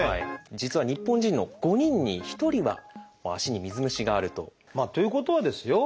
実は日本人の５人に１人は足に水虫があると。ということはですよ